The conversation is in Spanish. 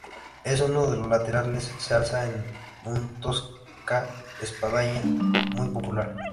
En uno de sus laterales se alza un tosca espadaña, muy popular.